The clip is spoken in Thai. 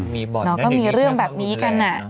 มีบ่อยมาก